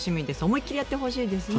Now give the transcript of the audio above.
思い切りやってほしいですね。